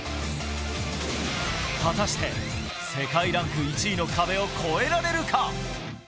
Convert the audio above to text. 果たして世界ランク１位の壁を越えられるか。